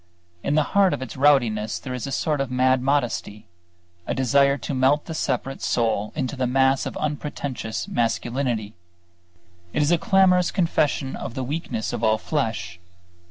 In the heart of its rowdiness there is a sort of mad modesty; a desire to melt the separate soul into the mass of unpretentious masculinity. It is a clamorous confession of the weakness of all flesh.